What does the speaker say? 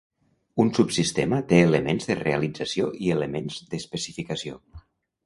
Un subsistema té elements de realització i elements d'especificació.